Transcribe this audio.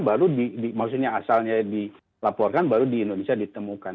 baru maksudnya asalnya dilaporkan baru di indonesia ditemukan